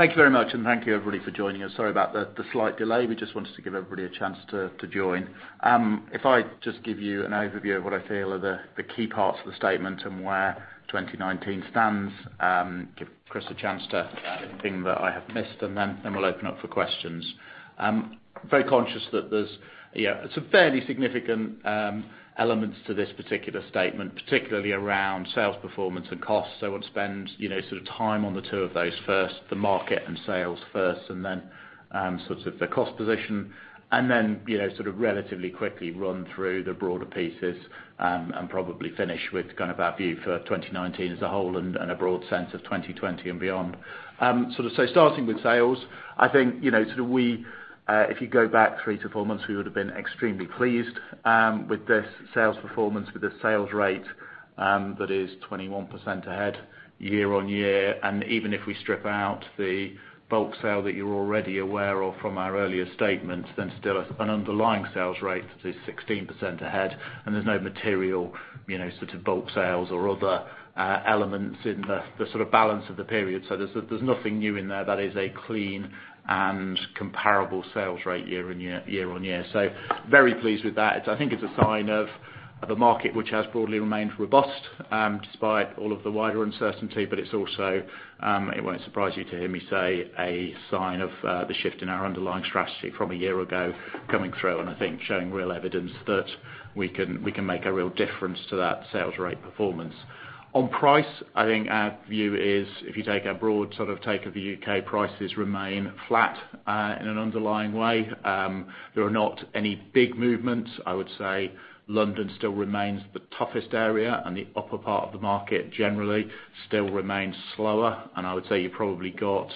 Thank you very much, thank you everybody for joining us. Sorry about the slight delay. We just wanted to give everybody a chance to join. If I just give you an overview of what I feel are the key parts of the statement and where 2019 stands, give Chris a chance to add anything that I have missed, we'll open up for questions. Very conscious that there's some fairly significant elements to this particular statement, particularly around sales performance and costs. I want to spend time on the two of those first, the market and sales first, the cost position. Relatively quickly run through the broader pieces, and probably finish with our view for 2019 as a whole and a broad sense of 2020 and beyond. Starting with sales, I think, if you go back three to four months, we would've been extremely pleased with this sales performance, with a sales rate that is 21% ahead year-on-year. Even if we strip out the bulk sale that you're already aware of from our earlier statements, then still an underlying sales rate is 16% ahead, and there's no material bulk sales or other elements in the balance of the period. There's nothing new in there. That is a clean and comparable sales rate year-on-year. Very pleased with that. I think it's a sign of the market, which has broadly remained robust, despite all of the wider uncertainty, but it's also, it won't surprise you to hear me say, a sign of the shift in our underlying strategy from a year ago coming through and I think showing real evidence that we can make a real difference to that sales rate performance. On price, I think our view is, if you take a broad take of the U.K., prices remain flat in an underlying way. There are not any big movements. I would say London still remains the toughest area, and the upper part of the market generally still remains slower. I would say you've probably got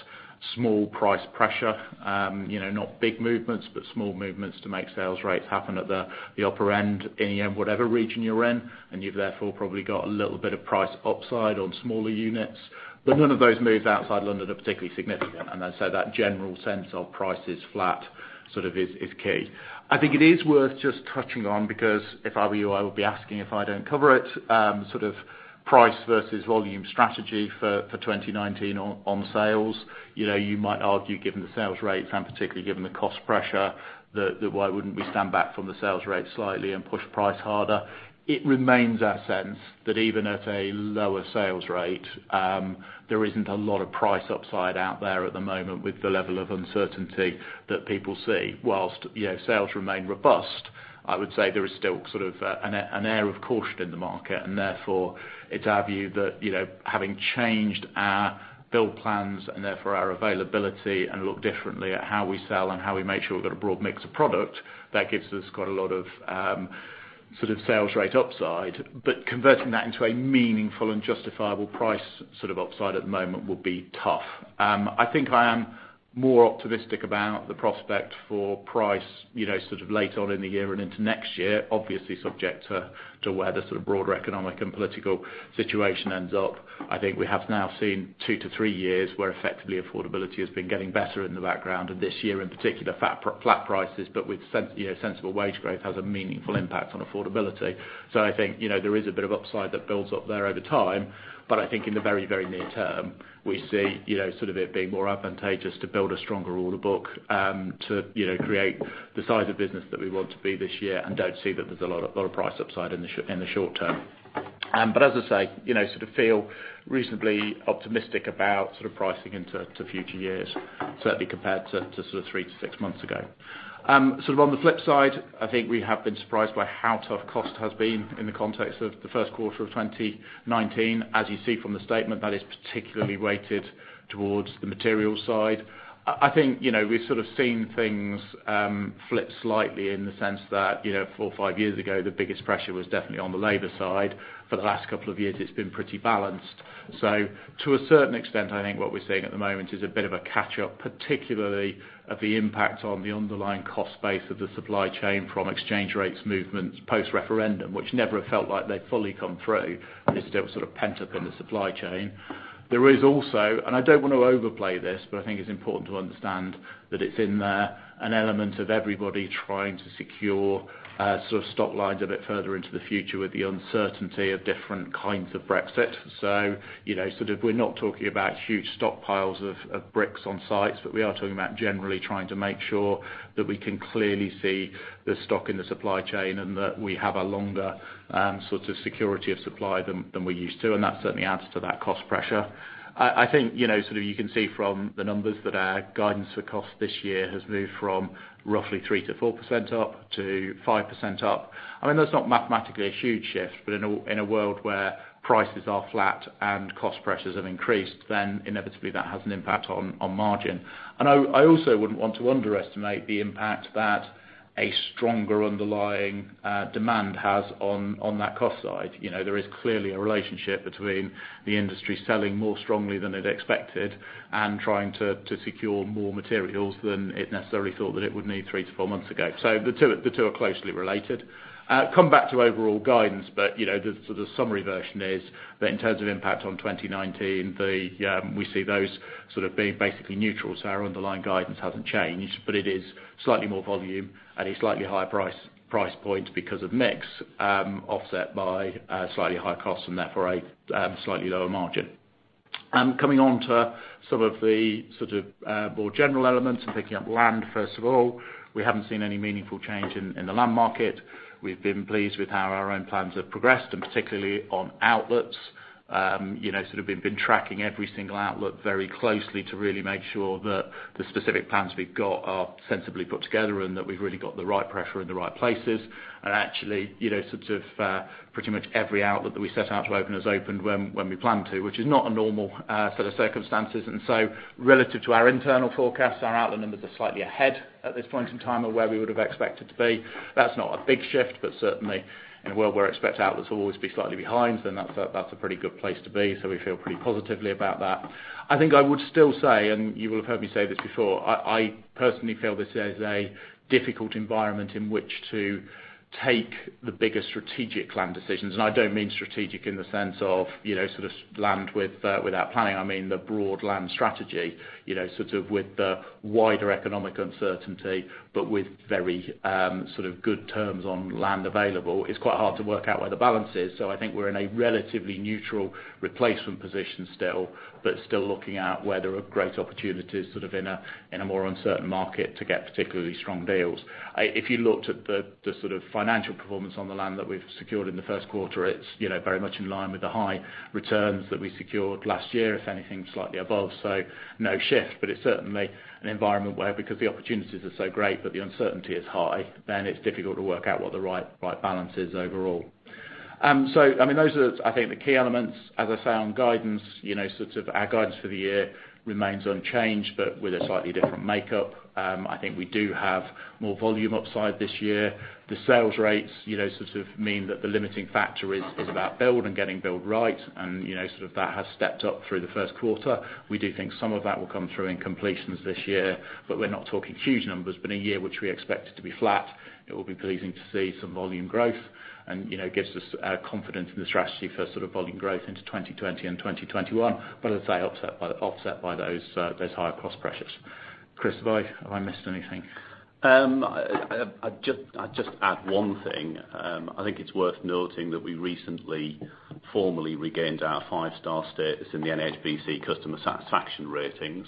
small price pressure. Not big movements, but small movements to make sales rates happen at the upper end in whatever region you're in, and you've therefore probably got a little bit of price upside on smaller units. None of those moves outside London are particularly significant. That general sense of price is flat is key. I think it is worth just touching on because if I were you, I would be asking if I don't cover it, price versus volume strategy for 2019 on sales. You might argue given the sales rates and particularly given the cost pressure, that why wouldn't we stand back from the sales rate slightly and push price harder? It remains our sense that even at a lower sales rate, there isn't a lot of price upside out there at the moment with the level of uncertainty that people see. Whilst sales remain robust, I would say there is still an air of caution in the market, and therefore, it's our view that having changed our build plans and therefore our availability and look differently at how we sell and how we make sure we've got a broad mix of product, that gives us quite a lot of sales rate upside. Converting that into a meaningful and justifiable price upside at the moment will be tough. I think I am more optimistic about the prospect for price later on in the year and into next year, obviously subject to where the broader economic and political situation ends up. I think we have now seen 2-3 years where effectively affordability has been getting better in the background, and this year in particular, flat prices, but with sensible wage growth, has a meaningful impact on affordability. I think there is a bit of upside that builds up there over time, but I think in the very near term, we see it being more advantageous to build a stronger order book, to create the size of business that we want to be this year and don't see that there's a lot of price upside in the short term. As I say, feel reasonably optimistic about pricing into future years, certainly compared to 3-6 months ago. On the flip side, I think we have been surprised by how tough cost has been in the context of the first quarter of 2019. As you see from the statement, that is particularly weighted towards the material side. I think we've seen things flip slightly in the sense that four or five years ago, the biggest pressure was definitely on the labor side. For the last couple of years, it's been pretty balanced. To a certain extent, I think what we're seeing at the moment is a bit of a catch-up, particularly of the impact on the underlying cost base of the supply chain from exchange rates movements post-referendum, which never felt like they'd fully come through. They still sort of pent up in the supply chain. There is also, and I don't want to overplay this, but I think it's important to understand that it's in there, an element of everybody trying to secure stock lines a bit further into the future with the uncertainty of different kinds of Brexit. We're not talking about huge stockpiles of bricks on sites, but we are talking about generally trying to make sure that we can clearly see the stock in the supply chain and that we have a longer security of supply than we're used to, and that certainly adds to that cost pressure. I think you can see from the numbers that our guidance for cost this year has moved from roughly 3%-4% up to 5% up. That's not mathematically a huge shift, but in a world where prices are flat and cost pressures have increased, then inevitably that has an impact on margin. I also wouldn't want to underestimate the impact that a stronger underlying demand has on that cost side. There is clearly a relationship between the industry selling more strongly than it expected and trying to secure more materials than it necessarily thought that it would need three to four months ago. The two are closely related. Come back to overall guidance. The summary version is that in terms of impact on 2019, we see those being basically neutral. Our underlying guidance hasn't changed. It is slightly more volume at a slightly higher price point because of mix, offset by slightly higher costs and therefore a slightly lower margin. Coming on to some of the more general elements and picking up land, first of all, we haven't seen any meaningful change in the land market. We've been pleased with how our own plans have progressed, particularly on outlets. We've been tracking every single outlet very closely to really make sure that the specific plans we've got are sensibly put together and that we've really got the right pressure in the right places. Actually, pretty much every outlet that we set out to open has opened when we plan to, which is not normal for the circumstances. Relative to our internal forecasts, our outlet numbers are slightly ahead at this point in time of where we would have expected to be. That's not a big shift. Certainly in a world where expect outlets will always be slightly behind, that's a pretty good place to be. We feel pretty positively about that. I think I would still say, and you will have heard me say this before, I personally feel this is a difficult environment in which to take the bigger strategic land decisions. I don't mean strategic in the sense of land without planning, I mean the broad land strategy. With the wider economic uncertainty, with very good terms on land available, it's quite hard to work out where the balance is. I think we're in a relatively neutral replacement position still looking at where there are great opportunities, sort of in a more uncertain market to get particularly strong deals. If you looked at the financial performance on the land that we've secured in the first quarter, it's very much in line with the high returns that we secured last year, if anything, slightly above. No shift. It's certainly an environment where, because the opportunities are so great, the uncertainty is high, it's difficult to work out what the right balance is overall. Those are, I think, the key elements, as I say, on guidance. Our guidance for the year remains unchanged, with a slightly different makeup. I think we do have more volume upside this year. The sales rates mean that the limiting factor is about build and getting build right and that has stepped up through the first quarter. We do think some of that will come through in completions this year. We're not talking huge numbers. A year which we expected to be flat. It will be pleasing to see some volume growth and gives us confidence in the strategy for volume growth into 2020 and 2021. As I say, offset by those higher cost pressures. Chris, have I missed anything? I'd just add one thing. I think it's worth noting that we recently formally regained our five-star status in the NHBC customer satisfaction ratings.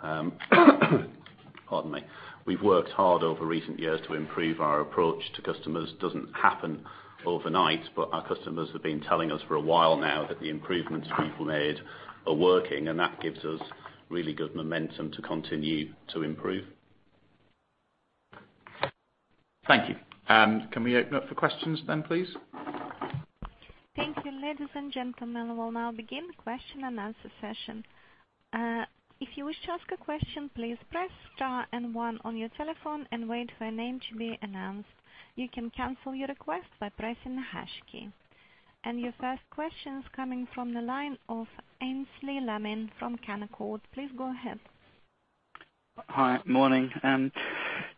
Pardon me. We've worked hard over recent years to improve our approach to customers. Doesn't happen overnight, but our customers have been telling us for a while now that the improvements we've made are working, That gives us really good momentum to continue to improve. Thank you. Can we open up for questions then, please? Thank you. Ladies and gentlemen, we'll now begin the question and answer session. If you wish to ask a question, please press star and one on your telephone and wait for your name to be announced. You can cancel your request by pressing the hash key. Your first question is coming from the line of Aynsley Lammin from Canaccord. Please go ahead. Hi. Morning.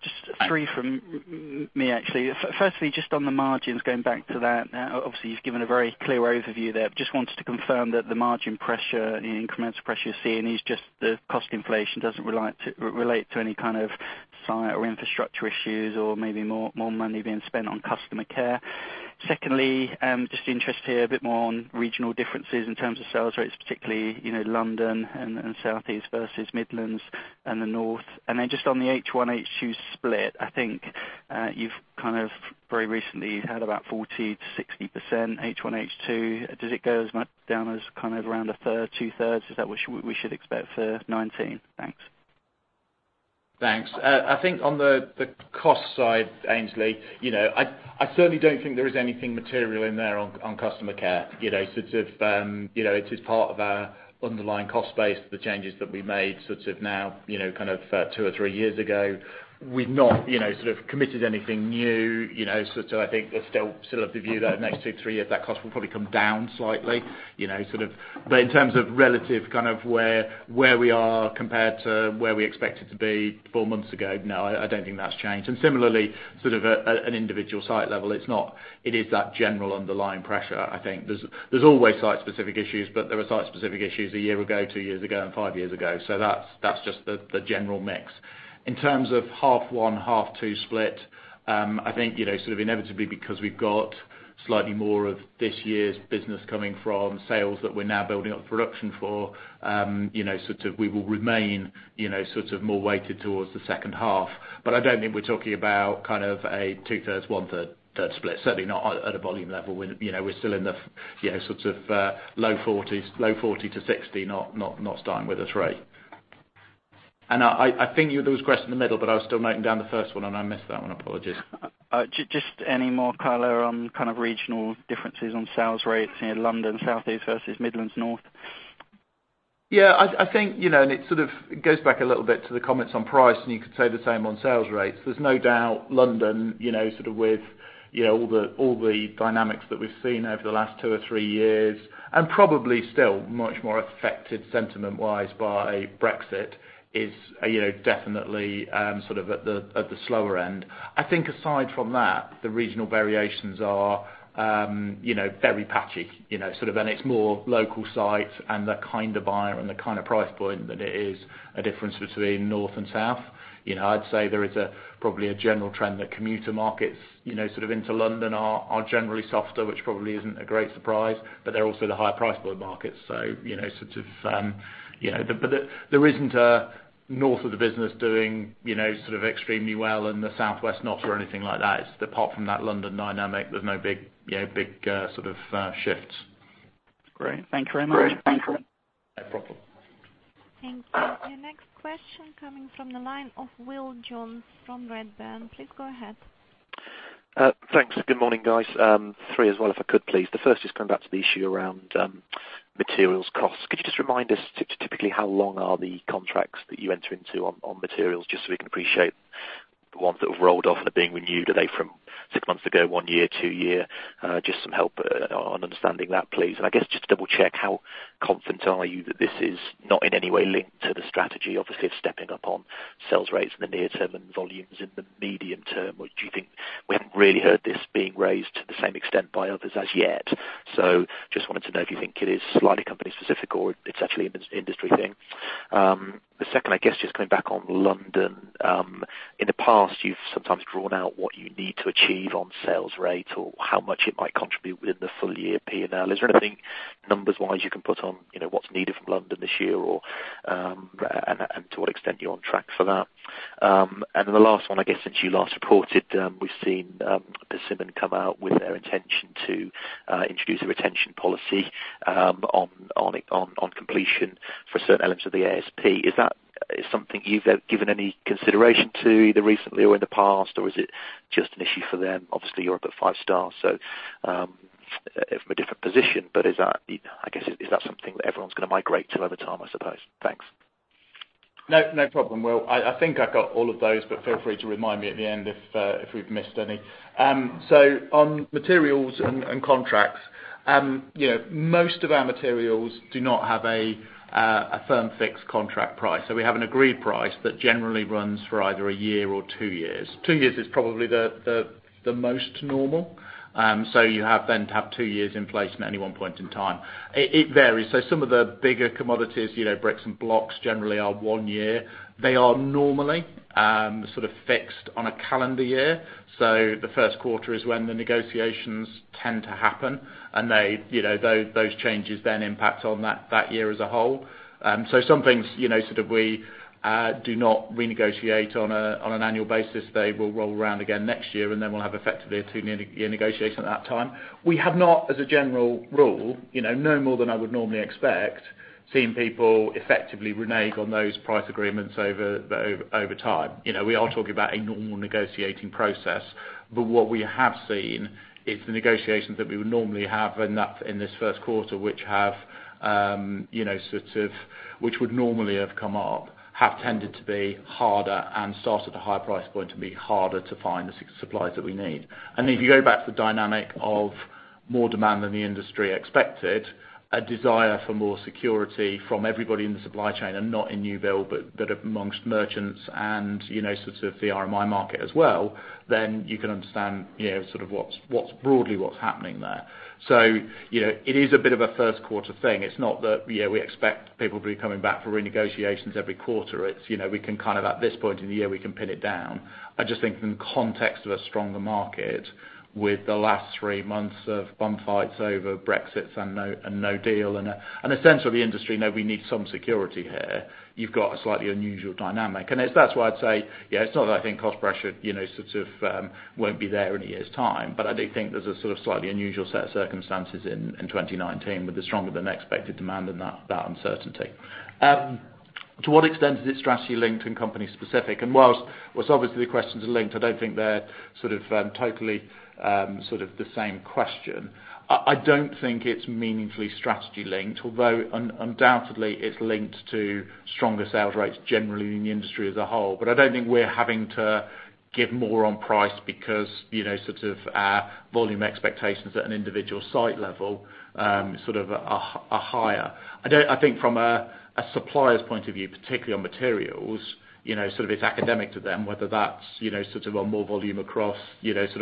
Just three from me, actually. Firstly, just on the margins, going back to that, obviously, you've given a very clear overview there. Just wanted to confirm that the margin pressure and the incremental pressure you're seeing is just the cost inflation, doesn't relate to any kind of site or infrastructure issues or maybe more money being spent on customer care. Secondly, just interest here a bit more on regional differences in terms of sales rates, particularly London and Southeast versus Midlands and the North. Then just on the H1, H2 split, I think you've very recently had about 40%-60% H1, H2. Does it go as much down as kind of around a third, two-thirds? Is that what we should expect for 2019? Thanks. Thanks. I think on the cost side, Aynsley, I certainly don't think there is anything material in there on customer care. It is part of our underlying cost base, the changes that we made sort of now kind of two or three years ago. We've not committed anything new. I think they're still of the view that next two, three years, that cost will probably come down slightly. In terms of relative kind of where we are compared to where we expected to be four months ago, no, I don't think that's changed. Similarly, sort of at an individual site level, it is that general underlying pressure, I think. There's always site-specific issues, but there were site-specific issues a year ago, two years ago, and five years ago. That's just the general mix. In terms of half one, half two split, I think inevitably because we've got slightly more of this year's business coming from sales that we're now building up production for, we will remain more weighted towards the second half. I don't think we're talking about kind of a two-thirds, one-third split. Certainly not at a volume level. We're still in the low 40 to 60, not starting with a three. I think you had those questions in the middle, but I was still noting down the first one, and I missed that one. Apologies. Just any more color on kind of regional differences on sales rates in London, Southeast versus Midlands, North? Yeah. I think it sort of goes back a little bit to the comments on price, and you could say the same on sales rates. There's no doubt London, sort of with all the dynamics that we've seen over the last two or three years, and probably still much more affected sentiment-wise by Brexit, is definitely at the slower end. I think aside from that, the regional variations are very patchy. It's more local sites and the kind of buyer and the kind of price point than it is a difference between north and south. I'd say there is probably a general trend that commuter markets into London are generally softer, which probably isn't a great surprise, but they're also the higher price point markets. There isn't a north of the business doing extremely well and the southwest not, or anything like that. Apart from that London dynamic, there's no big shifts. Great. Thank you very much. Great. Thank you. No problem. Thank you. The next question coming from the line of Will Jones from Redburn. Please go ahead. Thanks. Good morning, guys. Three as well, if I could, please. The first is coming back to the issue around materials costs. Could you just remind us typically how long are the contracts that you enter into on materials, just so we can appreciate the ones that have rolled off that are being renewed? Are they from six months ago, one year, two years? I guess just to double check, how confident are you that this is not in any way linked to the strategy, obviously, of stepping up on sales rates in the near term and volumes in the medium term? We haven't really heard this being raised to the same extent by others as yet. Just wanted to know if you think it is slightly company specific or it's actually an industry thing. I guess just coming back on London. In the past, you've sometimes drawn out what you need to achieve on sales rate or how much it might contribute within the full year P&L. Is there anything numbers-wise you can put on what's needed from London this year, and to what extent you're on track for that? Then the last one, I guess since you last reported, we've seen Persimmon come out with their intention to introduce a retention policy on completion for certain elements of the ASP. Is that something you've given any consideration to either recently or in the past, or is it just an issue for them? Obviously, you're up at five-star, so from a different position, but I guess, is that something that everyone's going to migrate to over time, I suppose? Thanks. No problem, Will. I think I got all of those, but feel free to remind me at the end if we've missed any. On materials and contracts, most of our materials do not have a firm fixed contract price. We have an agreed price that generally runs for either a year or two years. Two years is probably the most normal. You happen to have two years in place at any one point in time. It varies. Some of the bigger commodities, bricks and blocks generally are one year. They are normally sort of fixed on a calendar year. The first quarter is when the negotiations tend to happen, and those changes then impact on that year as a whole. Some things we do not renegotiate on an annual basis. They will roll around again next year. Then we'll have effectively a two-year negotiation at that time. We have not, as a general rule, no more than I would normally expect, seen people effectively renege on those price agreements over time. We are talking about a normal negotiating process. What we have seen is the negotiations that we would normally have in this first quarter, which would normally have come up, have tended to be harder and start at a higher price point and be harder to find the supplies that we need. If you go back to the dynamic of more demand than the industry expected, a desire for more security from everybody in the supply chain and not in new build, but amongst merchants and the RMI market as well, you can understand broadly what's happening there. It is a bit of a first quarter thing. It's not that we expect people to be coming back for renegotiations every quarter. We can kind of at this point in the year, we can pin it down. I just think in the context of a stronger market with the last three months of bun fights over Brexit and no deal, and a sense from the industry, we need some security here. You've got a slightly unusual dynamic. That's why I'd say, it's not that I think cost pressure won't be there in a year's time, but I do think there's a sort of slightly unusual set of circumstances in 2019 with the stronger than expected demand and that uncertainty. To what extent is it strategy linked and company specific? Whilst obviously the questions are linked, I don't think they're totally the same question. I don't think it's meaningfully strategy linked, although undoubtedly it's linked to stronger sales rates generally in the industry as a whole. I don't think we're having to give more on price because our volume expectations at an individual site level are higher. I think from a supplier's point of view, particularly on materials, it's academic to them whether that's on more volume across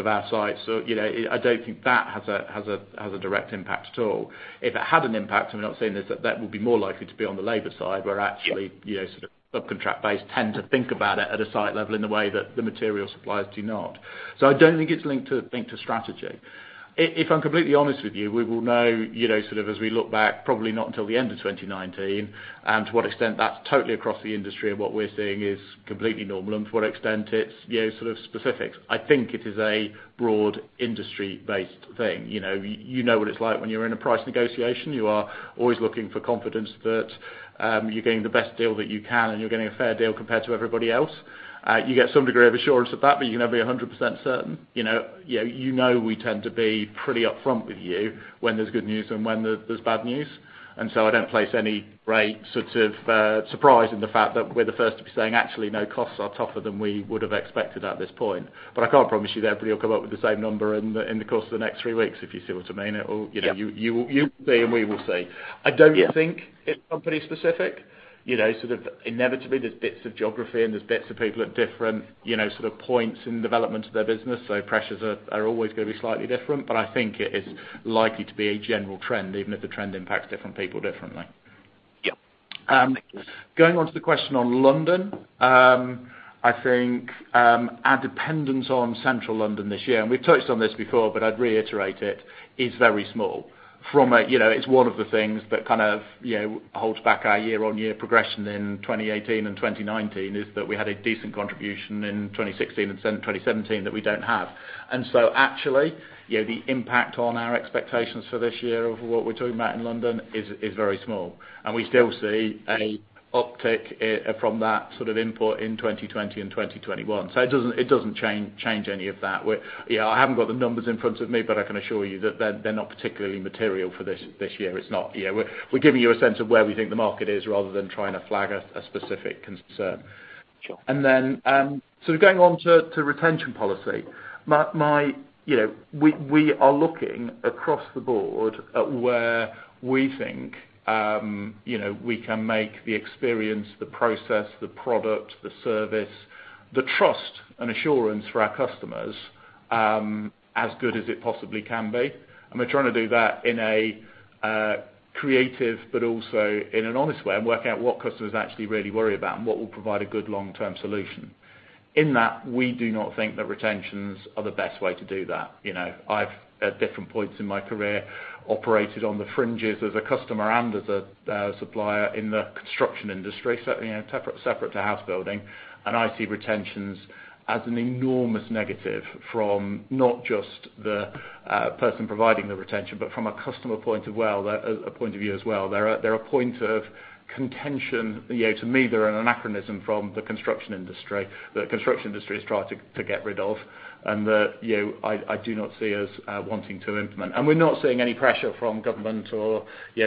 our sites. I don't think that has a direct impact at all. If it had an impact, and we're not saying this, that would be more likely to be on the labor side where actually sub-contract base tend to think about it at a site level in the way that the material suppliers do not. I don't think it's linked to strategy. If I'm completely honest with you, we will know as we look back, probably not until the end of 2019, and to what extent that's totally across the industry and what we're seeing is completely normal and to what extent it's specifics. I think it is a broad industry-based thing. You know what it's like when you're in a price negotiation. You are always looking for confidence that you're getting the best deal that you can, and you're getting a fair deal compared to everybody else. You get some degree of assurance of that, but you can never be 100% certain. You know we tend to be pretty upfront with you when there's good news and when there's bad news. I don't place any great surprise in the fact that we're the first to be saying, "Actually, no, costs are tougher than we would have expected at this point." I can't promise you that everybody will come up with the same number in the course of the next three weeks, if you see what I mean. Yeah. You will see and we will see. Yeah. I don't think it's company specific. Inevitably, there's bits of geography and there's bits of people at different points in the development of their business, pressures are always going to be slightly different. I think it is likely to be a general trend, even if the trend impacts different people differently. Yeah. Going on to the question on London. I think our dependence on Central London this year, and we've touched on this before, but I'd reiterate it, is very small. It's one of the things that kind of holds back our year-on-year progression in 2018 and 2019, is that we had a decent contribution in 2016 and 2017 that we don't have. Actually, the impact on our expectations for this year of what we're talking about in London is very small. We still see an uptick from that sort of input in 2020 and 2021. It doesn't change any of that. I haven't got the numbers in front of me, but I can assure you that they're not particularly material for this year. It's not. We're giving you a sense of where we think the market is rather than trying to flag a specific concern. Sure. Going on to retention policy. We are looking across the board at where we think we can make the experience, the process, the product, the service, the trust, and assurance for our customers as good as it possibly can be. We're trying to do that in a creative but also in an honest way and work out what customers actually really worry about and what will provide a good long-term solution. In that, we do not think that retentions are the best way to do that. I've, at different points in my career, operated on the fringes as a customer and as a supplier in the construction industry, certainly separate to house building, and I see retentions as an enormous negative from not just the person providing the retention, but from a customer point of view as well. They're a point of contention. To me, they're an anachronism from the construction industry, that construction industry is trying to get rid of and that I do not see us wanting to implement. We're not seeing any pressure from government or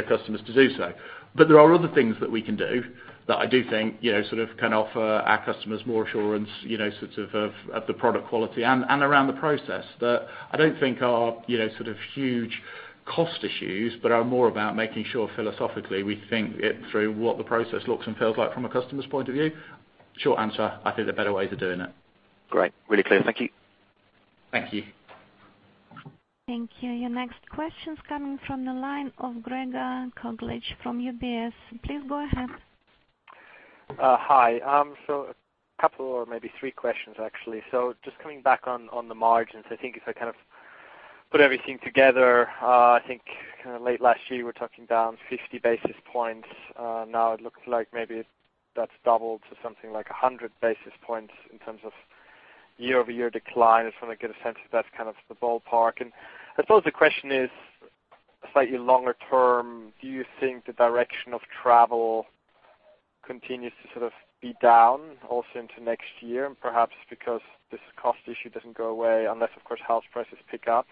customers to do so. There are other things that we can do that I do think can offer our customers more assurance of the product quality and around the process that I don't think are huge cost issues, but are more about making sure philosophically we think it through what the process looks and feels like from a customer's point of view. Short answer, I think there are better ways of doing it. Great. Really clear. Thank you. Thank you. Thank you. Your next question's coming from the line of Gregor Kuglitsch from UBS. Please go ahead. Hi. A couple or maybe three questions, actually. Just coming back on the margins, I think if I kind of put everything together, I think late last year, we were talking down 50 basis points. Now it looks like maybe that's doubled to something like 100 basis points in terms of year-over-year decline. I just want to get a sense of that's kind of the ballpark. I suppose the question is slightly longer term, do you think the direction of travel continues to sort of be down also into next year? Perhaps because this cost issue doesn't go away unless, of course, house prices pick up.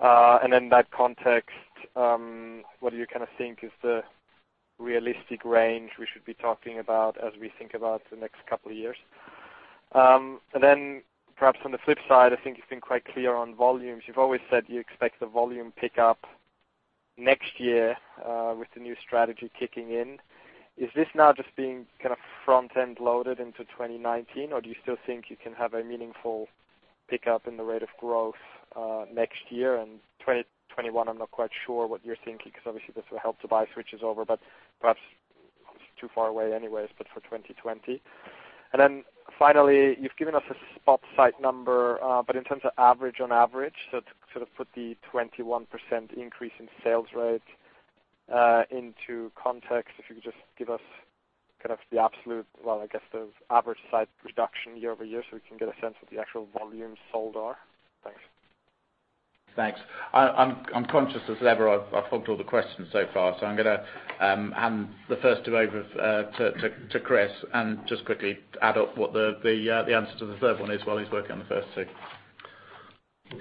In that context, what do you kind of think is the realistic range we should be talking about as we think about the next couple of years? Perhaps on the flip side, I think you've been quite clear on volumes. You've always said you expect the volume pick up next year, with the new strategy kicking in. Is this now just being kind of front-end loaded into 2019? Do you still think you can have a meaningful pickup in the rate of growth next year? 2021, I'm not quite sure what you're thinking because obviously this will Help to Buy switches over, but perhaps it's too far away anyways, but for 2020. Finally, you've given us a spot site number, but in terms of average on average, to sort of put the 21% increase in sales rate into context, if you could just give us kind of the absolute, well, I guess the average site reduction year-over-year so we can get a sense of the actual volumes sold are. Thanks. Thanks. I'm conscious as ever, I've hogged all the questions so far, so I'm going to hand the first two over to Chris and just quickly add up what the answer to the third one is while he's working on the first two.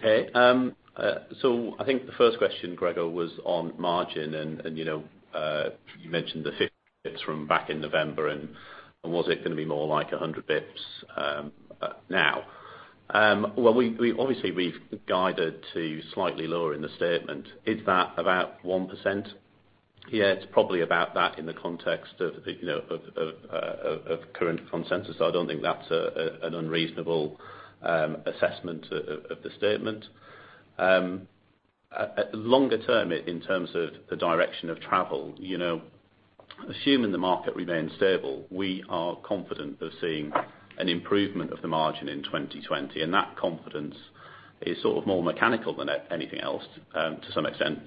I think the first question, Gregor, was on margin, and you mentioned the 50 basis points from back in November, and was it going to be more like 100 basis points now? Obviously we've guided to slightly lower in the statement. Is that about 1%? It's probably about that in the context of current consensus. I don't think that's an unreasonable assessment of the statement. Longer term, in terms of the direction of travel, assuming the market remains stable, we are confident of seeing an improvement of the margin in 2020, and that confidence is sort of more mechanical than anything else to some extent.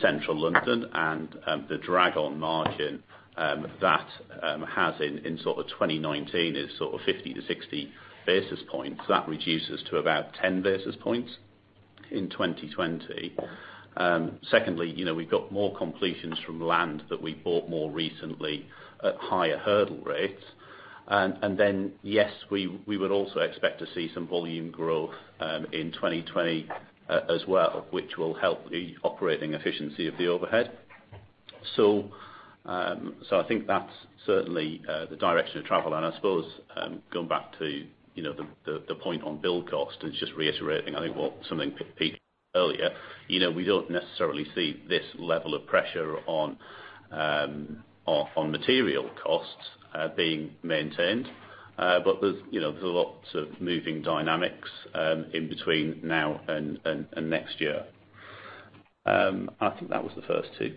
Central London and the drag on margin that has in sort of 2019 is sort of 50 to 60 basis points. That reduces to about 10 basis points in 2020. Secondly, we've got more completions from land that we bought more recently at higher hurdle rates. Yes, we would also expect to see some volume growth in 2020 as well, which will help the operating efficiency of the overhead. I think that's certainly the direction of travel. I suppose, going back to the point on build cost and just reiterating, I think what something Pete said earlier. We don't necessarily see this level of pressure on material costs being maintained. There's a lot of moving dynamics in between now and next year. I think that was the first two.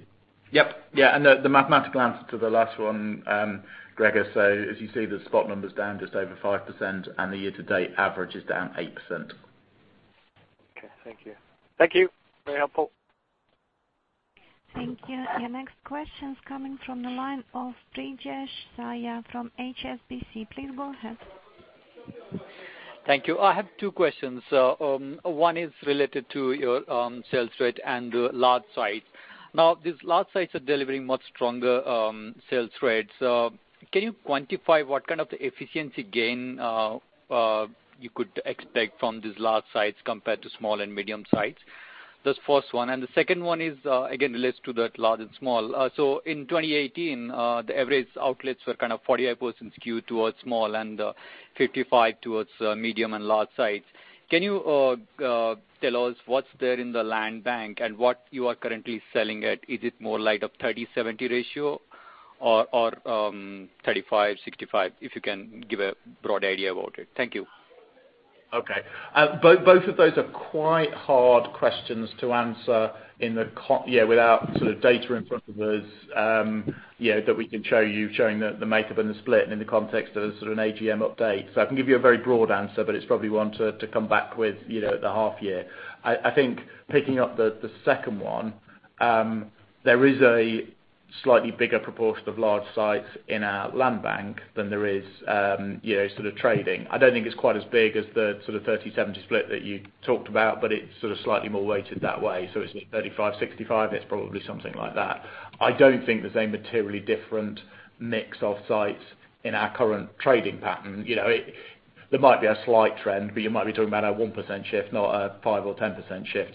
The mathematical answer to the last one, Gregor, as you see, the spot number's down just over 5%, and the year-to-date average is down 8%. Okay. Thank you. Thank you. Very helpful. Thank you. Your next question's coming from the line of Priyesh Saiya from HSBC. Please go ahead. Thank you. I have two questions. One is related to your sales rate and large sites. Now, these large sites are delivering much stronger sales rates. Can you quantify what kind of efficiency gain you could expect from these large sites compared to small and medium sites? That's the first one. The second one is, again, relates to that large and small. In 2018, the average outlets were kind of 48% skewed towards small and 55% towards medium and large sites. Can you tell us what's there in the land bank and what you are currently selling at? Is it more like a 30-70 ratio or 35-65? If you can give a broad idea about it. Thank you. Okay. Both of those are quite hard questions to answer without data in front of us, that we can show you, showing the makeup and the split and in the context of an AGM update. I can give you a very broad answer, but it's probably one to come back with at the half year. I think picking up the second one, there is a slightly bigger proportion of large sites in our land bank than there is sort of trading. I don't think it's quite as big as the 30-70 split that you talked about, but it's sort of slightly more weighted that way. It's not 35-65, it's probably something like that. I don't think there's a materially different mix of sites in our current trading pattern. There might be a slight trend, but you might be talking about a 1% shift, not a 5% or 10% shift.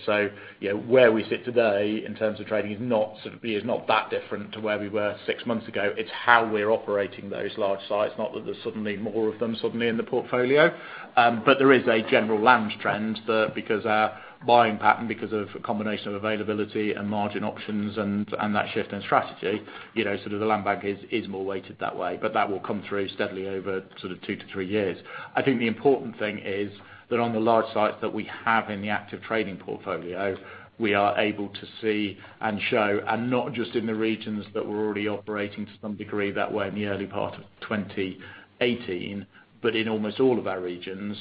Where we sit today in terms of trading is not that different to where we were six months ago. It's how we're operating those large sites, not that there's suddenly more of them suddenly in the portfolio. There is a general land trend because our buying pattern, because of a combination of availability and margin options and that shift in strategy, the land bank is more weighted that way. That will come through steadily over two to three years. I think the important thing is that on the large sites that we have in the active trading portfolio, we are able to see and show, and not just in the regions that were already operating to some degree that way in the early part of 2018, but in almost all of our regions,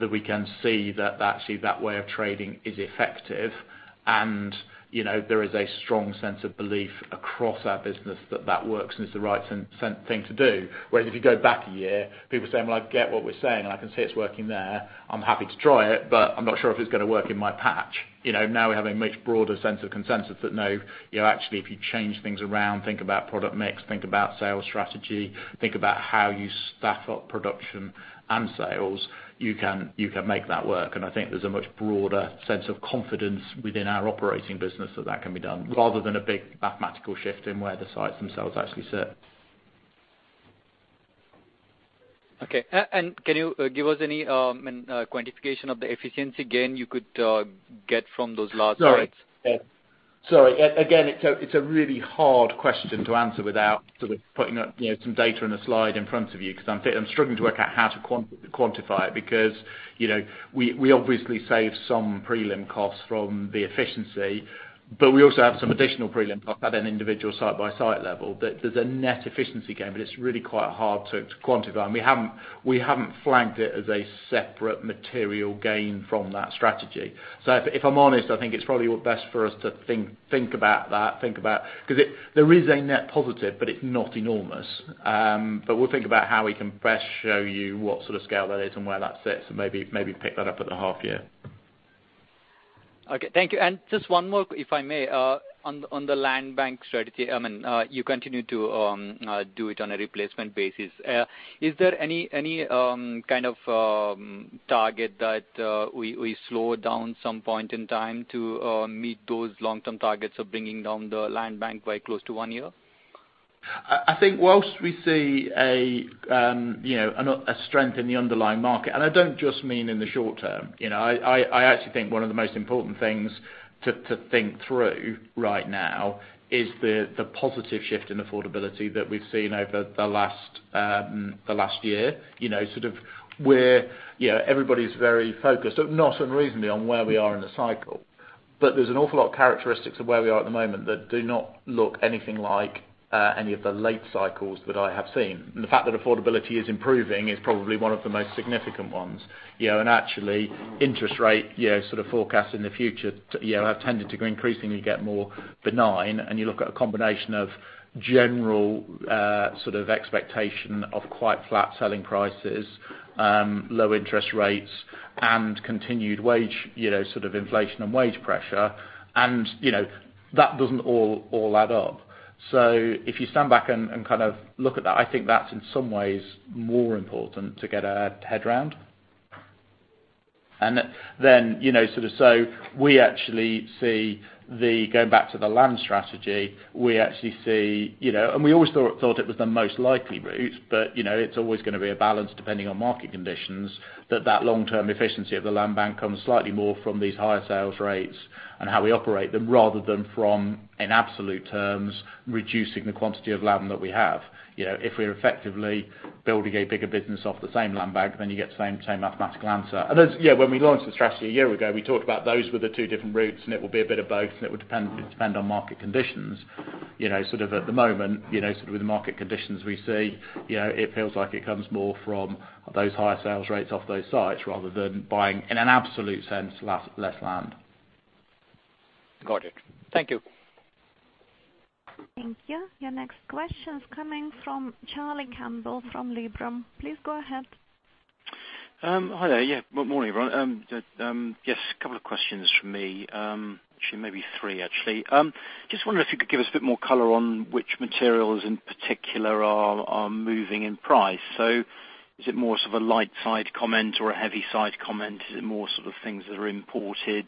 that we can see that actually that way of trading is effective and there is a strong sense of belief across our business that that works and is the right thing to do. Whereas if you go back a year, people saying, "Well, I get what we're saying, and I can see it's working there. I'm happy to try it, but I'm not sure if it's going to work in my patch." Now we have a much broader sense of consensus that no, actually if you change things around, think about product mix, think about sales strategy, think about how you staff up production and sales, you can make that work. I think there's a much broader sense of confidence within our operating business that that can be done, rather than a big mathematical shift in where the sites themselves actually sit. Okay. Can you give us any quantification of the efficiency gain you could get from those large sites? Sorry. Again, it's a really hard question to answer without putting up some data in a slide in front of you, because I'm struggling to work out how to quantify it, because we obviously saved some preliminary costs from the efficiency, but we also have some additional preliminary costs at an individual site-by-site level that there's a net efficiency gain, but it's really quite hard to quantify. We haven't flagged it as a separate material gain from that strategy. If I'm honest, I think it's probably best for us to think about that. There is a net positive, but it's not enormous. We'll think about how we can best show you what sort of scale that is and where that sits, and maybe pick that up at the half year. Okay. Thank you. Just one more, if I may, on the land bank strategy. You continue to do it on a replacement basis. Is there any kind of target that we slow down some point in time to meet those long-term targets of bringing down the land bank quite close to one year? I think whilst we see a strength in the underlying market, I don't just mean in the short term. I actually think one of the most important things to think through right now is the positive shift in affordability that we've seen over the last year. Everybody's very focused, not unreasonably, on where we are in the cycle. There's an awful lot of characteristics of where we are at the moment that do not look anything like any of the late cycles that I have seen. The fact that affordability is improving is probably one of the most significant ones. Actually, interest rate forecasts in the future have tended to increasingly get more benign, and you look at a combination of general expectation of quite flat selling prices, low interest rates, and continued inflation and wage pressure, and that doesn't all add up. If you stand back and look at that, I think that's in some ways more important to get our head around. Going back to the land strategy, we actually see we always thought it was the most likely route, but it's always going to be a balance depending on market conditions, that that long-term efficiency of the land bank comes slightly more from these higher sales rates and how we operate them rather than from, in absolute terms, reducing the quantity of land that we have. If we're effectively building a bigger business off the same land bank, you get the same mathematical answer. When we launched the strategy a year ago, we talked about those were the two different routes, and it will be a bit of both, and it would depend on market conditions. At the moment, with the market conditions we see, it feels like it comes more from those higher sales rates off those sites rather than buying, in an absolute sense, less land. Got it. Thank you. Thank you. Your next question is coming from Charlie Campbell from Liberum. Please go ahead. Hi there. Yeah. Good morning, everyone. Just a couple of questions from me. Actually, maybe three, actually. Just wondering if you could give us a bit more color on which materials in particular are moving in price. Is it more of a light side comment or a heavy side comment? Is it more sort of things that are imported?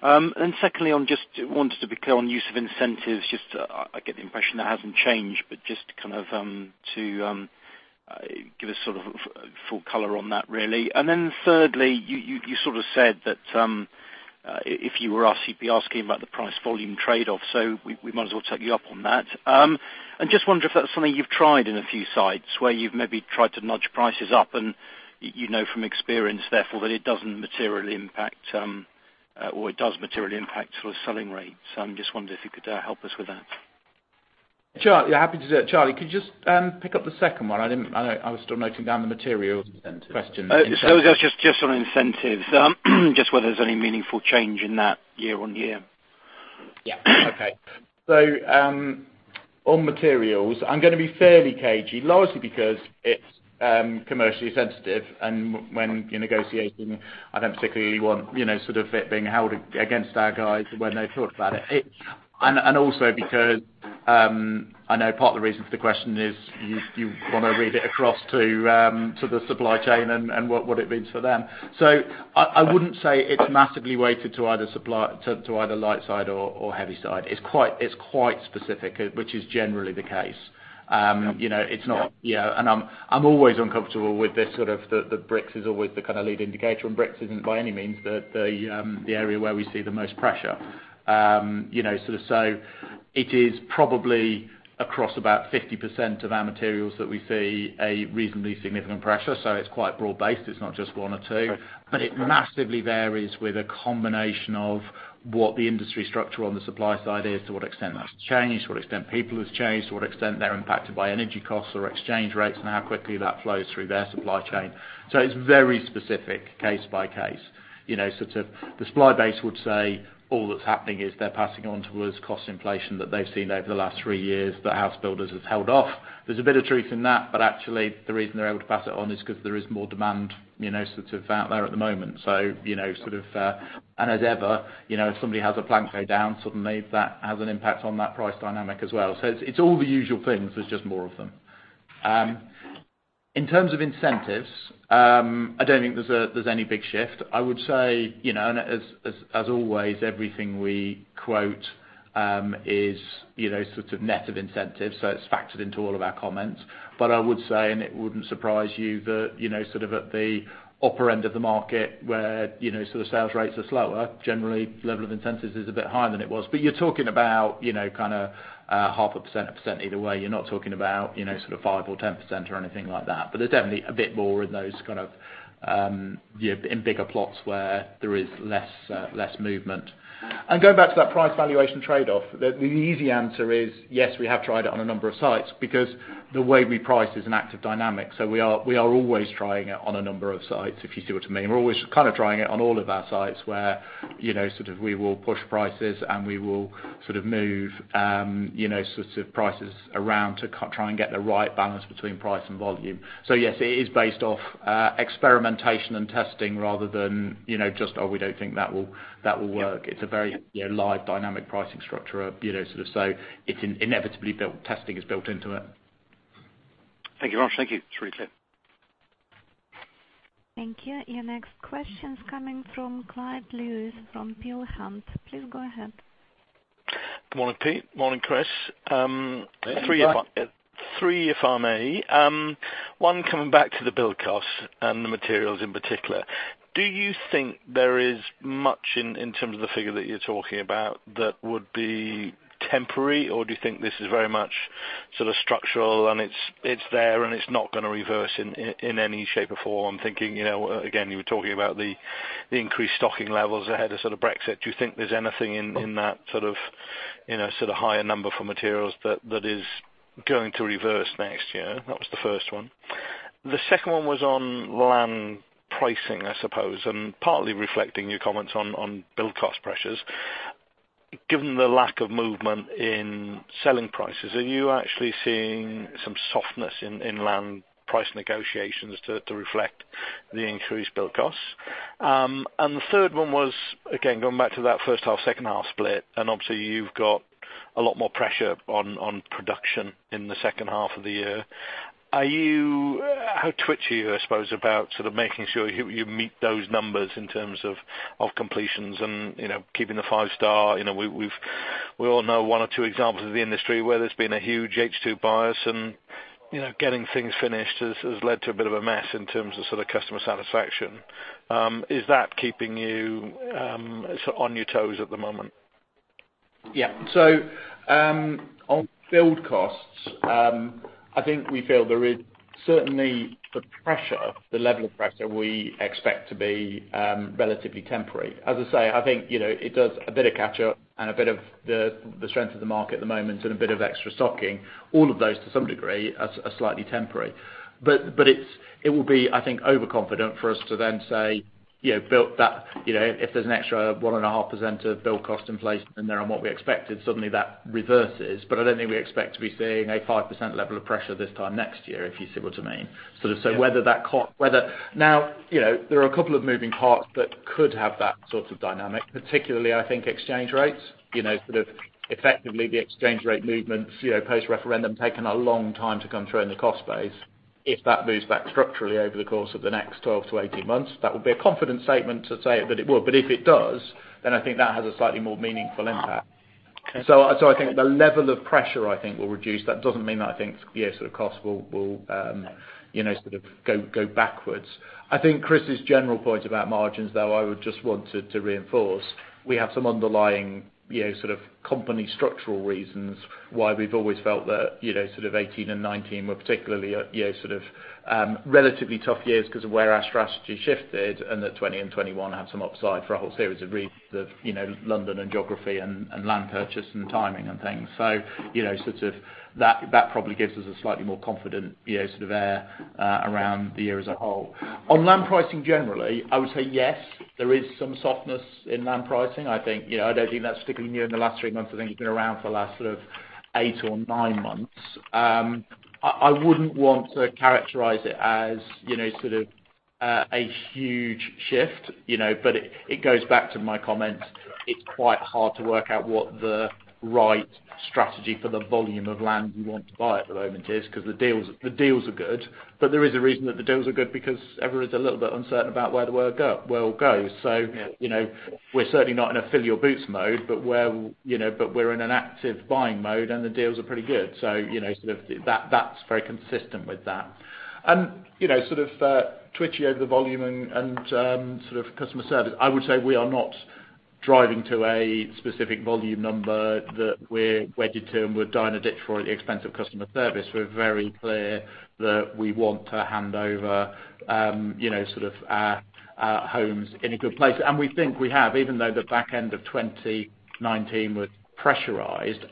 Secondly, I just wanted to be clear on use of incentives, just I get the impression that hasn't changed, but just to give us full color on that, really. Thirdly, you said that if you were us, you'd be asking about the price volume trade-off, so we might as well take you up on that. I'm just wondering if that's something you've tried in a few sites where you've maybe tried to nudge prices up, and you know from experience, therefore, that it doesn't materially impact, or it does materially impact selling rates. I'm just wondering if you could help us with that. Sure. Yeah, happy to do that. Charlie, could you just pick up the second one? I was still noting down the materials question. It was just on incentives. Just whether there's any meaningful change in that year-on-year. Yeah. Okay. On materials, I'm going to be fairly cagey, largely because it's commercially sensitive, and when you're negotiating, I don't particularly want it being held against our guys when they talk about it. Also because I know part of the reason for the question is you want to read it across to the supply chain and what it means for them. I wouldn't say it's massively weighted to either light side or heavy side. It's quite specific, which is generally the case. Yeah. I'm always uncomfortable with the bricks is always the kind of lead indicator, and bricks isn't by any means the area where we see the most pressure. It is probably across about 50% of our materials that we see a reasonably significant pressure. It's quite broad-based. It's not just one or two. Sure. It massively varies with a combination of what the industry structure on the supply side is, to what extent that's changed, to what extent people have changed, to what extent they're impacted by energy costs or exchange rates, and how quickly that flows through their supply chain. It's very specific case by case. The supply base would say all that's happening is they're passing on to us cost inflation that they've seen over the last three years that house builders has held off. Actually, the reason they're able to pass it on is because there is more demand out there at the moment. As ever, if somebody has a plant go down, maybe that has an impact on that price dynamic as well. It's all the usual things, there's just more of them. In terms of incentives, I don't think there's any big shift. I would say, as always, everything we quote is net of incentives, it's factored into all of our comments. I would say, and it wouldn't surprise you that at the upper end of the market where sales rates are slower, generally level of incentives is a bit higher than it was. You're talking about 0.5%, 1% either way. You're not talking about 5% or 10% or anything like that. There's definitely a bit more in bigger plots where there is less movement. Going back to that price valuation trade-off, the easy answer is, yes, we have tried it on a number of sites because the way we price is an active dynamic, we are always trying it on a number of sites, if you see what I mean. We're always kind of trying it on all of our sites where we will push prices and we will move prices around to try and get the right balance between price and volume. Yes, it is based off experimentation and testing rather than just, "Oh, we don't think that will work." It's a very live dynamic pricing structure. Inevitably, testing is built into it. Thank you very much. Thank you. It's really clear. Thank you. Your next question is coming from Clyde Lewis from Peel Hunt. Please go ahead. Good morning, Pete. Morning, Chris. Hi, Clyde. Three, if I may. One, coming back to the build cost and the materials in particular. Do you think there is much in terms of the figure that you're talking about that would be temporary, or do you think this is very much structural and it's there and it's not going to reverse in any shape or form? Thinking, again, you were talking about the increased stocking levels ahead of Brexit. Do you think there's anything in that higher number for materials that is going to reverse next year? That was the first one. The second one was on land pricing, I suppose, and partly reflecting your comments on build cost pressures. Given the lack of movement in selling prices, are you actually seeing some softness in land price negotiations to reflect the increased build costs? The third one was, again, going back to that first half, second half split, obviously you've got a lot more pressure on production in the second half of the year. How twitchy are you, I suppose, about making sure you meet those numbers in terms of completions and keeping the five star? We all know one or two examples of the industry where there's been a huge H2 bias and getting things finished has led to a bit of a mess in terms of customer satisfaction. Is that keeping you on your toes at the moment? Yeah. On build costs, I think we feel there is certainly the pressure, the level of pressure we expect to be relatively temporary. As I say, I think it does a bit of catch up and a bit of the strength of the market at the moment and a bit of extra stocking, all of those to some degree are slightly temporary. It will be, I think, overconfident for us to then say, if there's an extra 1.5% of build cost inflation in there on what we expected, suddenly that reverses. I don't think we expect to be seeing a 5% level of pressure this time next year, if you see what I mean. Yeah. There are a couple of moving parts that could have that sort of dynamic, particularly I think exchange rates. Sort of effectively the exchange rate movements post-referendum taken a long time to come through in the cost base. If that moves back structurally over the course of the next 12 to 18 months, that would be a confident statement to say that it will. If it does, then I think that has a slightly more meaningful impact. Okay. I think the level of pressure, I think will reduce. That doesn't mean that I think costs will go backwards. I think Chris' general point about margins, though, I would just want to reinforce. We have some underlying company structural reasons why we've always felt that 2018 and 2019 were particularly relatively tough years because of where our strategy shifted, and that 2020 and 2021 have some upside for a whole series of reasons of London and geography and land purchase and timing and things. That probably gives us a slightly more confident air around the year as a whole. On land pricing generally, I would say yes, there is some softness in land pricing. I don't think that's particularly new in the last three months. I think it's been around for the last eight or nine months. I wouldn't want to characterize it as a huge shift. It goes back to my comment, it's quite hard to work out what the right strategy for the volume of land we want to buy at the moment is, because the deals are good. There is a reason that the deals are good because everyone's a little bit uncertain about where the world goes. Yeah. We're certainly not in a fill your boots mode, but we're in an active buying mode, and the deals are pretty good. That's very consistent with that. Twitchy over the volume and customer service, I would say we are not driving to a specific volume number that we're wedded to and would die in a ditch for at the expense of customer service. We're very clear that we want to hand over our homes in a good place. We think we have, even though the back end of 2019 was pressurized,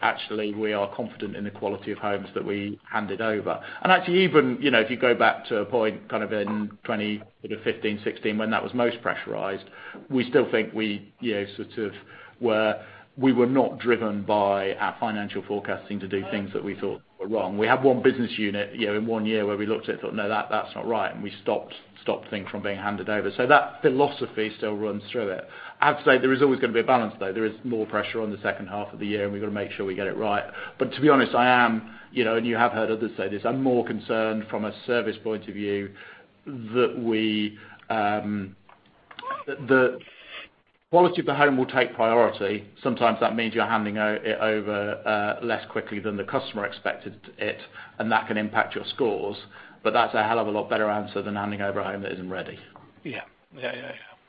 actually we are confident in the quality of homes that we handed over. Actually even if you go back to a point in 2015, 2016 when that was most pressurized, we still think we were not driven by our financial forecasting to do things that we thought were wrong. We had one business unit in one year where we looked at it and thought, "No, that's not right," and we stopped things from being handed over. That philosophy still runs through it. I have to say there is always going to be a balance, though. There is more pressure on the second half of the year, and we've got to make sure we get it right. To be honest, and you have heard others say this, I'm more concerned from a service point of view that the quality of the home will take priority. Sometimes that means you're handing it over less quickly than the customer expected it, and that can impact your scores. That's a hell of a lot better answer than handing over a home that isn't ready. Yeah.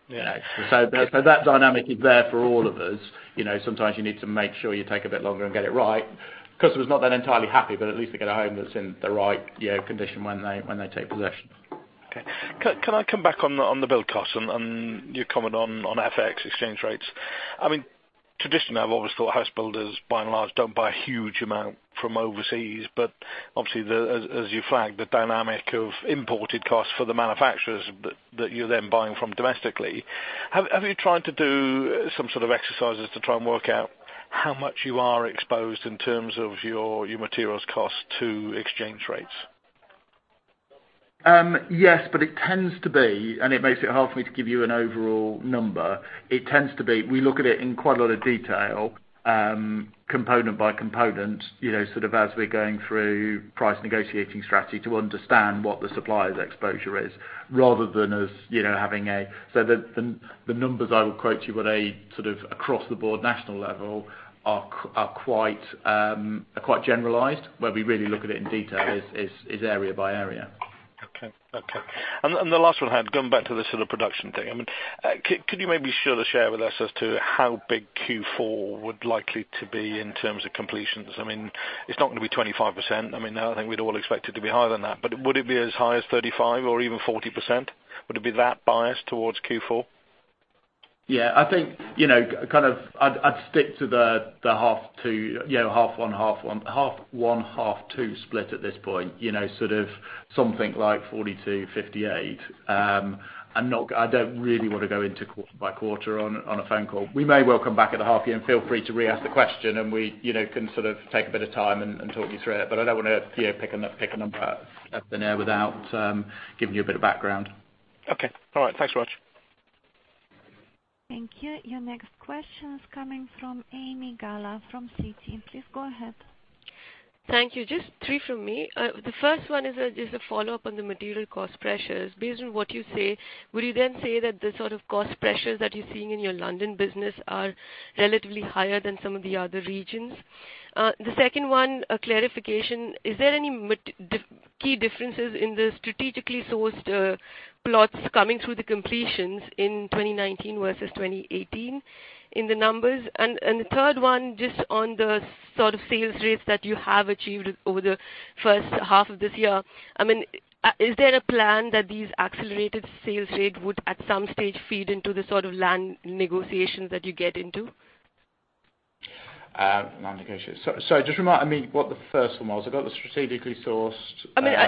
That dynamic is there for all of us. Sometimes you need to make sure you take a bit longer and get it right. Customer's not then entirely happy, but at least they get a home that's in the right condition when they take possession. Okay. Can I come back on the build cost and your comment on FX exchange rates? Traditionally, I've always thought house builders by and large, don't buy a huge amount from overseas. Obviously as you flagged, the dynamic of imported costs for the manufacturers that you're then buying from domestically. Have you tried to do some sort of exercises to try and work out how much you are exposed in terms of your materials cost to exchange rates? Yes, it tends to be, and it makes it hard for me to give you an overall number. It tends to be, we look at it in quite a lot of detail, component by component, as we're going through price negotiating strategy to understand what the supplier's exposure is. The numbers I would quote you at a sort of across the board national level are quite generalized. Where we really look at it in detail is area by area. Okay. The last one I had, going back to the sort of production thing. Could you maybe share with us as to how big Q4 would likely to be in terms of completions? It's not going to be 25%. I think we'd all expect it to be higher than that. Would it be as high as 35% or even 40%? Would it be that biased towards Q4? Yeah, I think I'd stick to the half one, half two split at this point. Something like 42%, 58%. I don't really want to go into quarter by quarter on a phone call. We may well come back at the half year and feel free to re-ask the question and we can take a bit of time and talk you through it. I don't want to pick a number out of thin air without giving you a bit of background. Okay. All right. Thanks very much. Thank you. Your next question is coming from Ami Galla from Citi. Please go ahead. Thank you. Just three from me. The first one is just a follow-up on the material cost pressures. Based on what you say, would you then say that the sort of cost pressures that you're seeing in your London business are relatively higher than some of the other regions? The second one, a clarification. Is there any key differences in the strategically sourced plots coming through the completions in 2019 versus 2018 in the numbers? The third one, just on the sort of sales rates that you have achieved over the first half of this year. Is there a plan that these accelerated sales rate would at some stage feed into the sort of land negotiations that you get into? Non-negotiable. Sorry, just remind me what the first one was. I got the strategically sourced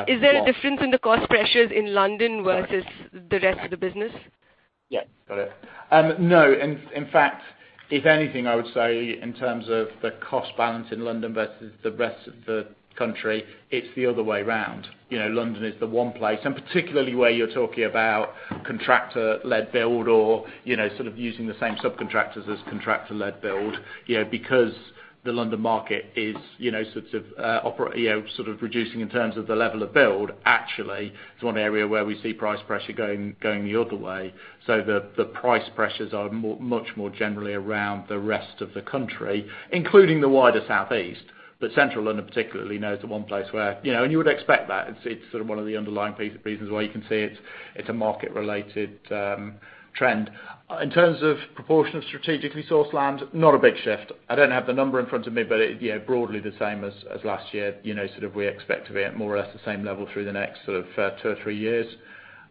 Is there a difference in the cost pressures in London versus the rest of the business? Yeah, got it. No. In fact, if anything, I would say in terms of the cost balance in London versus the rest of the country, it's the other way around. London is the one place, and particularly where you're talking about contractor-led build or using the same subcontractors as contractor-led build. Because the London market is reducing in terms of the level of build, actually, it's one area where we see price pressure going the other way. The price pressures are much more generally around the rest of the country, including the wider Southeast. Central London particularly now is the one place where you would expect that. It's one of the underlying pieces, reasons why you can see it. It's a market-related trend. In terms of proportion of strategically sourced land, not a big shift. I don't have the number in front of me, but broadly the same as last year. We expect to be at more or less the same level through the next two or three years.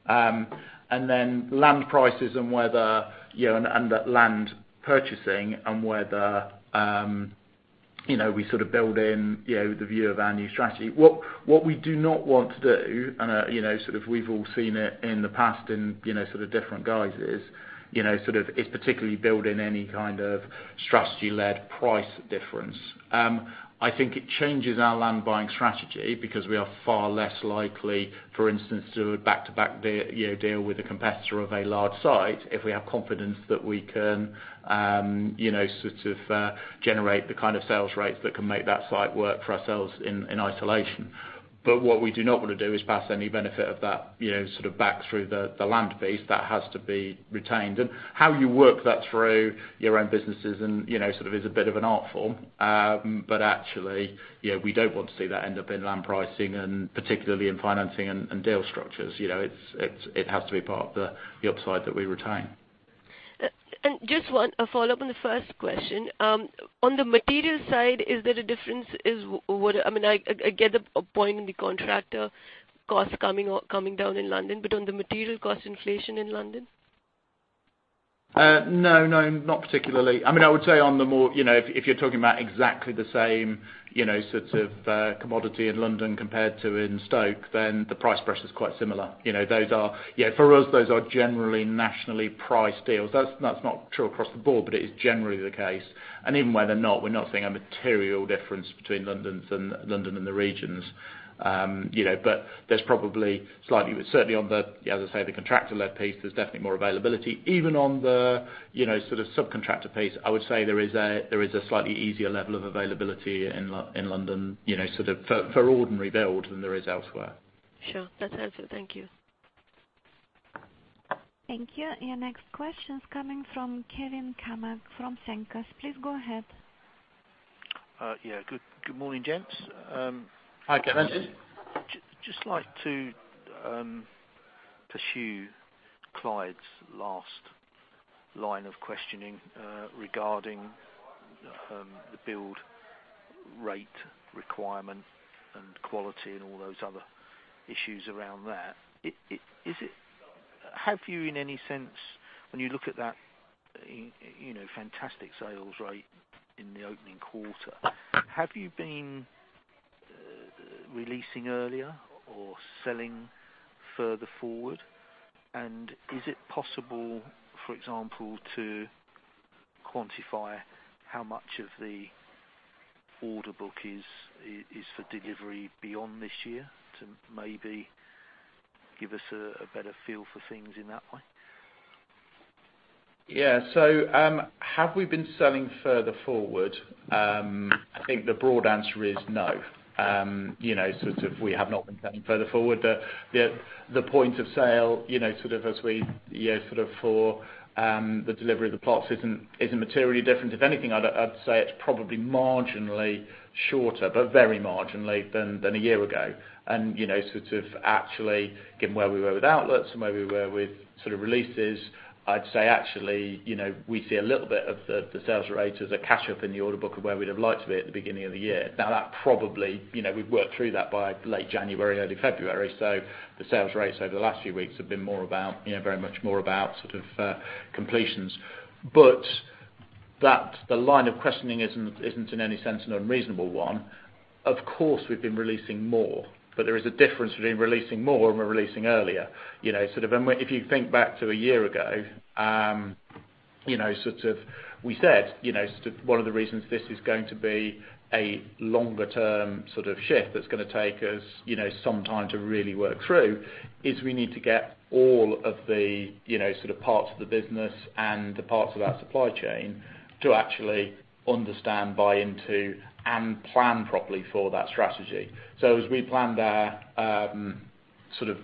Land prices and land purchasing and whether we build in the view of our new strategy. What we do not want to do, and we've all seen it in the past in different guises, is particularly build in any kind of strategy-led price difference. I think it changes our land buying strategy because we are far less likely, for instance, to back-to-back deal with a competitor of a large site if we have confidence that we can generate the kind of sales rates that can make that site work for ourselves in isolation. What we do not want to do is pass any benefit of that back through the land piece. That has to be retained. How you work that through your own businesses is a bit of an art form. Actually, we don't want to see that end up in land pricing and particularly in financing and deal structures. It has to be part of the upside that we retain. Just one follow-up on the first question. On the material side, is there a difference? I get the point in the contractor costs coming down in London, but on the material cost inflation in London? No. Not particularly. I would say if you're talking about exactly the same commodity in London compared to in Stoke, then the price pressure's quite similar. For us, those are generally nationally priced deals. That's not true across the board, but it is generally the case. Even where they're not, we're not seeing a material difference between London and the regions. There's probably slightly, certainly on the, as I say, the contractor-led piece, there's definitely more availability. Even on the subcontractor piece, I would say there is a slightly easier level of availability in London for ordinary build than there is elsewhere. Sure. That's answered. Thank you. Thank you. Your next question's coming from Kevin Cammack from Cenkos. Please go ahead. Yeah. Good morning, gents. Hi, Kevin. Morning. Just like to pursue Clyde's last line of questioning regarding the build rate requirement and quality and all those other issues around that. Have you, in any sense, when you look at that fantastic sales rate in the opening quarter, have you been releasing earlier or selling further forward? Is it possible, for example, to quantify how much of the order book is for delivery beyond this year to maybe give us a better feel for things in that way? Yeah. Have we been selling further forward? I think the broad answer is no. We have not been selling further forward. The point of sale for the delivery of the plots isn't materially different. If anything, I'd say it's probably marginally shorter, but very marginally than a year ago. Actually given where we were with outlets and where we were with releases, I'd say actually, we see a little bit of the sales rate as a catch up in the order book of where we'd have liked to be at the beginning of the year. That probably, we've worked through that by late January, early February. The sales rates over the last few weeks have been very much more about completions. The line of questioning isn't in any sense an unreasonable one. Of course, we've been releasing more, but there is a difference between releasing more and we're releasing earlier. If you think back to a year ago, we said, one of the reasons this is going to be a longer term shift that's going to take us some time to really work through is we need to get all of the parts of the business and the parts of our supply chain to actually understand, buy into, and plan properly for that strategy. As we planned our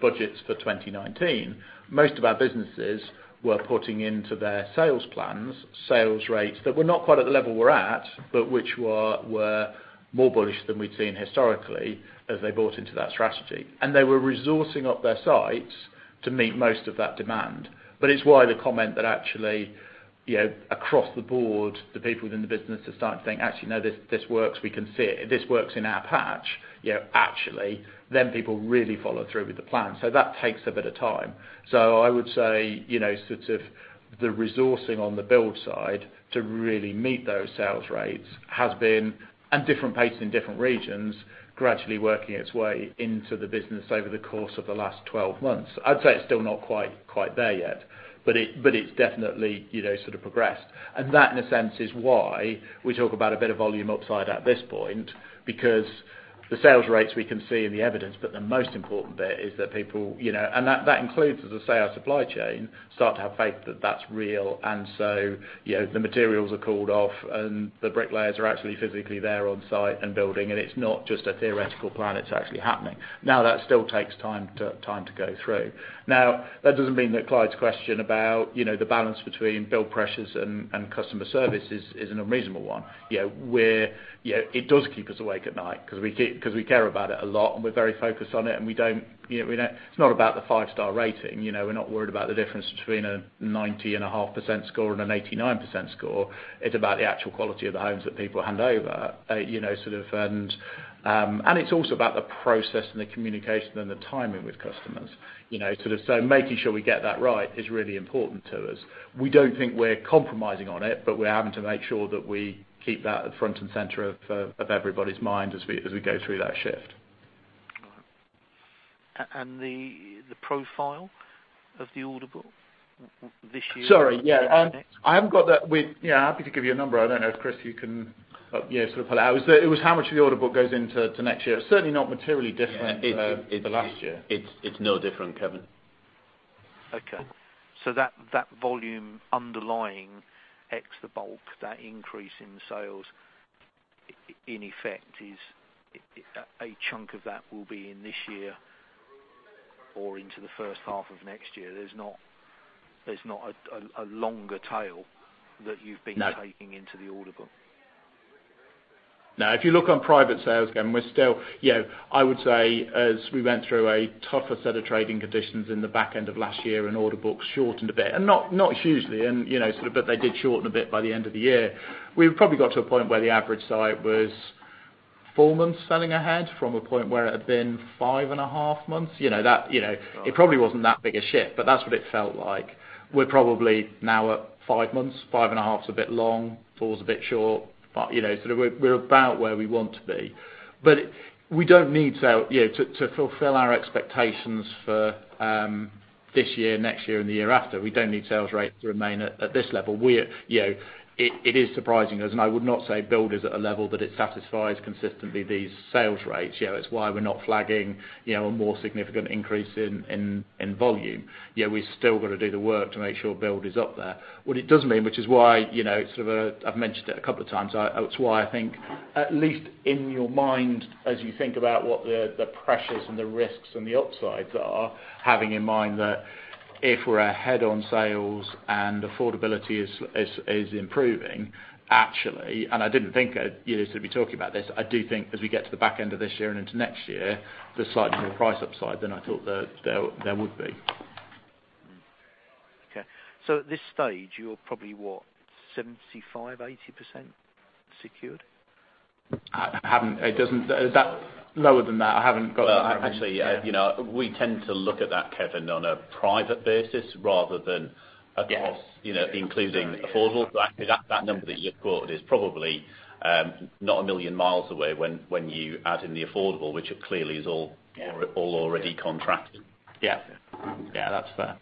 budgets for 2019, most of our businesses were putting into their sales plans, sales rates that were not quite at the level we're at, but which were more bullish than we'd seen historically as they bought into that strategy. They were resourcing up their sites to meet most of that demand. It's why the comment that actually, across the board, the people within the business are starting to think, "Actually, no, this works. We can see it. This works in our patch," actually, then people really follow through with the plan. That takes a bit of time. I would say the resourcing on the build side to really meet those sales rates has been at different pace in different regions, gradually working its way into the business over the course of the last 12 months. I'd say it's still not quite there yet, but it's definitely progressed. That, in a sense, is why we talk about a bit of volume upside at this point, because the sales rates we can see in the evidence, but the most important bit is that people And that includes, as I say, our supply chain start to have faith that that's real. The materials are called off and the bricklayers are actually physically there on site and building, and it's not just a theoretical plan, it's actually happening. That still takes time to go through. That doesn't mean that Clyde's question about the balance between build pressures and customer service isn't a reasonable one. It does keep us awake at night because we care about it a lot and we're very focused on it, and it's not about the five-star rating. We're not worried about the difference between a 90.5% score and an 89% score. It's about the actual quality of the homes that people hand over. It's also about the process and the communication and the timing with customers. Making sure we get that right is really important to us. We don't think we're compromising on it, but we're having to make sure that we keep that at front and center of everybody's mind as we go through that shift. All right. The profile of the order book this year. Sorry. Yeah. Next. I haven't got that. Yeah, happy to give you a number. I don't know if, Chris, you can sort of pull it out. It was how much of the order book goes into next year. Certainly not materially different. Yeah to the last year. It's no different, Kevin. Okay. That volume underlying X, the bulk, that increase in sales, in effect, a chunk of that will be in this year or into the first half of next year. There's not a longer tail that you've been. No Taking into the order book. No. If you look on private sales, Kevin, we're still, I would say as we went through a tougher set of trading conditions in the back end of last year and order books shortened a bit, not hugely, but they did shorten a bit by the end of the year. We've probably got to a point where the average site was four months selling ahead from a point where it had been five and a half months. It probably wasn't that big a shift, but that's what it felt like. We're probably now at five months. Five and a half's a bit long. Four's a bit short. We're about where we want to be. We don't need sale. To fulfill our expectations for this year, next year, and the year after, we don't need sales rates to remain at this level. It is surprising us, I would not say build is at a level that it satisfies consistently these sales rates. It's why we're not flagging a more significant increase in volume. Yet we still got to do the work to make sure build is up there. What it does mean, which is why, I've mentioned it a couple of times, it's why I think at least in your mind, as you think about what the pressures and the risks and the upsides are, having in mind that if we're ahead on sales and affordability is improving, actually, I didn't think I'd still be talking about this, I do think as we get to the back end of this year and into next year, there's slightly more price upside than I thought there would be. Okay. At this stage, you're probably what? 75%, 80% secured? Lower than that. I haven't got the- Well, actually, we tend to look at that, Kevin, on a private basis. Yes including affordable. That number that you've got is probably not a million miles away when you add in the affordable, which clearly is all already contracted. Yeah. That's fair.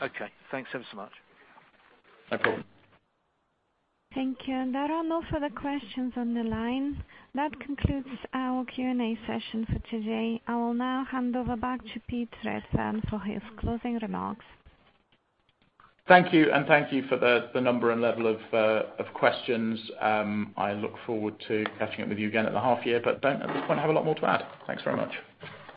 Okay. Thanks ever so much. No problem. Thank you. There are no further questions on the line. That concludes our Q&A session for today. I will now hand over back to Pete Redfern for his closing remarks. Thank you, and thank you for the number and level of questions. I look forward to catching up with you again at the half year, but don't at this point have a lot more to add. Thanks very much.